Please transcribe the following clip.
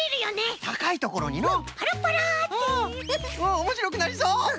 おもしろくなりそう！